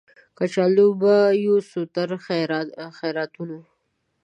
کچکول به یوسو تر خیراتونو